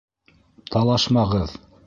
Талашмағыҙ.